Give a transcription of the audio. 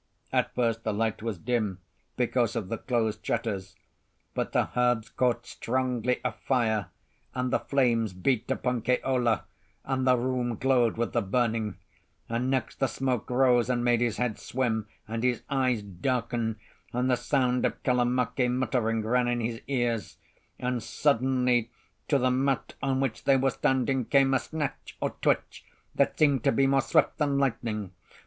At first the light was dim because of the closed shutters; but the herbs caught strongly afire, and the flames beat upon Keola, and the room glowed with the burning; and next the smoke rose and made his head swim and his eyes darken, and the sound of Kalamake muttering ran in his ears. And suddenly, to the mat on which they were standing came a snatch or twitch, that seemed to be more swift than lightning.